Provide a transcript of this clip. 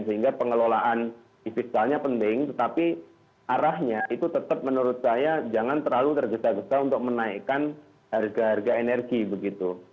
sehingga pengelolaan fiskalnya penting tetapi arahnya itu tetap menurut saya jangan terlalu tergesa gesa untuk menaikkan harga harga energi begitu